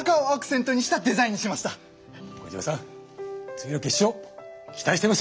次の決勝期待してますよ！